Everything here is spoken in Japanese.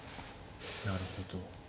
なるほど。